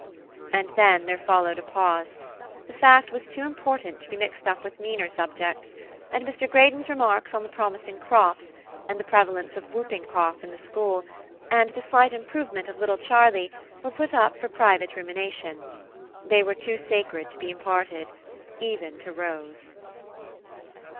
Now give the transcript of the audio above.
And then there followed a pause: the fact was too important to be mixed up with meaner subjects; and Mr. Greydon's remarks on the promising crops, and the prevalence of whooping cough in the school, and the slight improvement of little Charlie, were put up for private rumination. They were too sacred to be imparted even to Rose.